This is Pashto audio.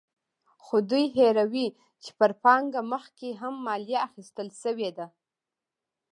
خو دوی هېروي چې پر پانګه مخکې هم مالیه اخیستل شوې ده.